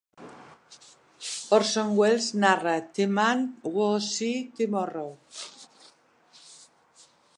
Orson Welles narra "The Man Who Saw Tomorrow".